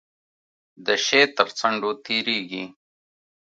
د شی تر څنډو تیریږي.